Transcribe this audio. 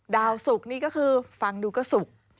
ดาวศุกร์นี่ก็คือฟังดูก็ศุกร์